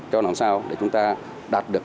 cho làm sao để chúng ta đạt được